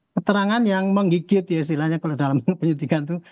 keterangan yang menggigit ya istilahnya kalau dalam penyidikan itu